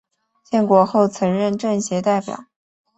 建国后曾任政协代表。